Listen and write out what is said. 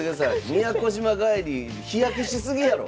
宮古島帰り日焼けし過ぎやろ！